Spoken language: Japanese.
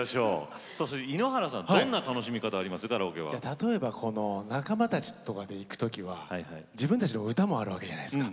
例えばこの仲間たちとかで行く時は自分たちの歌もあるわけじゃないですか。